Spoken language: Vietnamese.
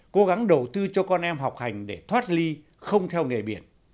cố gắng đầu tư cho con em học hành để thoát ly không theo nghề biển